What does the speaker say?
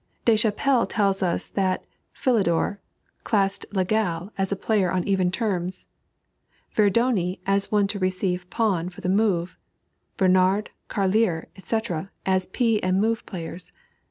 Des Chapelles tells us that Philidor classed Legalle as a player on even terms, Verdoni as one to receive pawn for the move, Bernard, Carlier, etc., as P and move players.